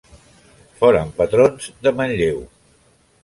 Foren patrons de Manlleu.